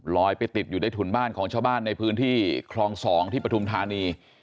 ไปติดอยู่ในถุนบ้านของชาวบ้านในพื้นที่คลอง๒ที่ปฐุมธานี